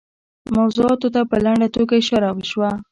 موضوعاتو ته په لنډه توګه اشاره شوه.